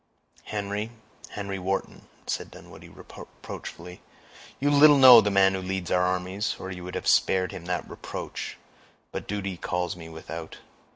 "Henry, Henry Wharton," said Dunwoodie reproachfully, "you little know the man who leads our armies, or you would have spared him that reproach; but duty calls me without.